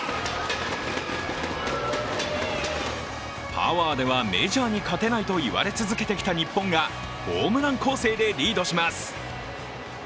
パワーではメジャーに勝てないと言われ続けてきた日本がホームラン攻勢でリードします。